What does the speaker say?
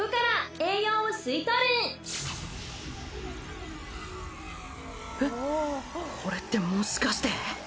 えっこれってもしかして。